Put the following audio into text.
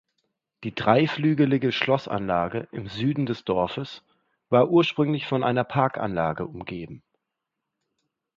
Die dreiflügelige Schlossanlage im Süden des Dorfes war ursprünglich von einer Parkanlage umgeben.